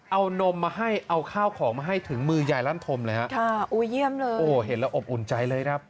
เอานมมาให้เอาข้าวของมาให้ถึงมือยายลั่นธมเลยครับ